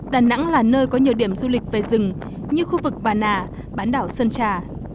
đà nẵng là nơi có nhiều điểm du lịch về rừng như khu vực bà nà bán đảo sơn trà